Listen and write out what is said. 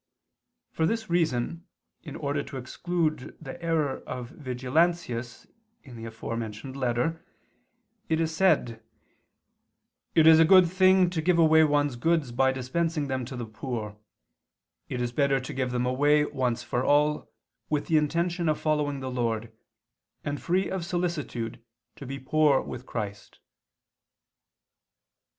For this reason in order to exclude the error of Vigilantius it is said (De Eccl. Dogm. xxxviii): "It is a good thing to give away one's goods by dispensing them to the poor: it is better to give them away once for all with the intention of following the Lord, and, free of solicitude, to be poor with Christ."